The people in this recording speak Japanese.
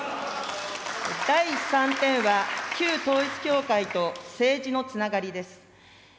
第３点は、旧統一教会と政治のつながりです。